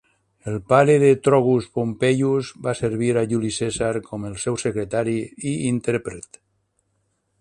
El pare de Trogus Pompeius va servir a Juli Cèsar com el seu secretari i intèrpret.